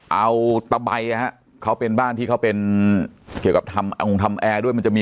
เอาตะใบเขาเป็นบ้านที่เขาเป็นเกี่ยวกับทำแอร์ด้วยมันจะมี